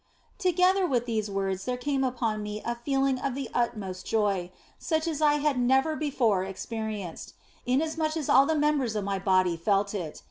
Together with these words there came upon me a feel ing of the utmost joy, such as I had never before ex perienced, inasmuch as all the members of my body felt it.